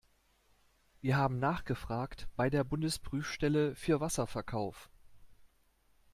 Wir haben nachgefragt bei der Bundesprüfstelle für Wasserverkauf.